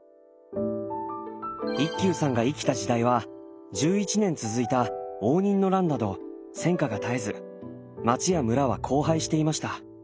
一休さんが生きた時代は１１年続いた応仁の乱など戦渦が絶えず町や村は荒廃していました。